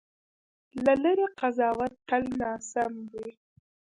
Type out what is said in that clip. له لرې قضاوت تل ناسم وي.